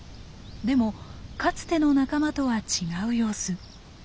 でもかつての仲間とは違う様子。